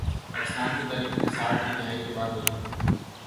پاکستان کی تاریخ میں ساٹھ کی دہائی کے بعد، وہی تھے۔